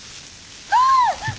ああ！